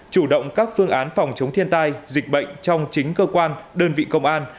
chủ động các phương án phòng chống thiên tai dịch bệnh trong chính cơ quan đơn vị công an